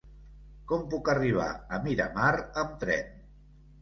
Com puc arribar a Miramar amb tren?